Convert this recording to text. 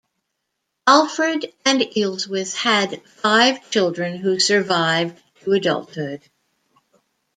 Alfred and Ealhswith had five children who survived to adulthood.